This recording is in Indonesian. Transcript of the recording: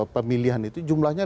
pemilihan itu jumlahnya